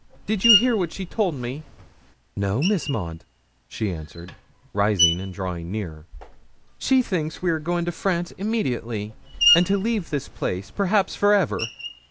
Did you hear what she told me?' 'No, Miss Maud,' she answered, rising and drawing near. 'She thinks we are going to France immediately, and to leave this place perhaps for ever.'